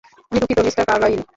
আমি দুঃখিত, mister Carlyle.